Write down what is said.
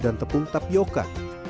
dan tepung tapioca